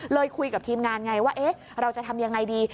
คุยกับทีมงานไงว่าเราจะทำยังไงดี